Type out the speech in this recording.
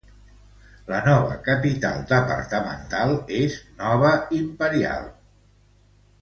La nova capital departamental és Nueva Imperial.